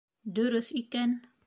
Дөрөҫ икән.